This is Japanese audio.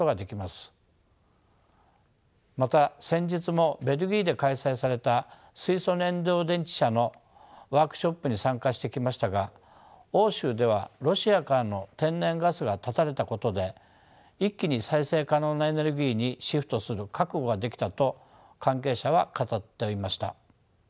また先日もベルギーで開催された水素燃料電池車のワークショップに参加してきましたが欧州ではロシアからの天然ガスが断たれたことで一気に再生可能なエネルギーにシフトする覚悟ができたと関係者は語っていました。